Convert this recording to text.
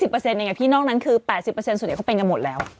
ก็๒๐เปอร์เซ็นต์ไงพี่นอกนั้นคือ๘๐เปอร์เซ็นต์ส่วนใหญ่เขาเป็นกันหมดแล้ว